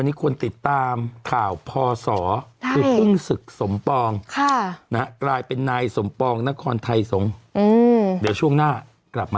เอาละค่ะแน่นอนวันนี้ควรติดตาม